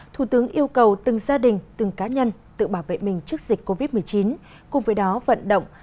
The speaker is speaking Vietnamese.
thủ tướng yêu cầu từng gia đình từng cá nhân tự bảo vệ mình trước dịch covid một mươi chín cùng với đó vận động